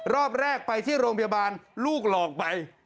รอบแรกไปที่โรงพยาบาลลูกหลอกไป